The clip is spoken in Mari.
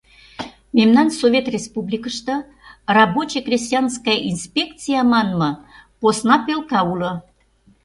Мемнан Совет Республикыште «рабоче-крестьянская инспекция» манме посна пӧлка уло.